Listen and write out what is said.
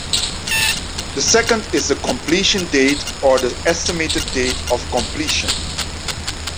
The second is the completion date or the estimated date of completion.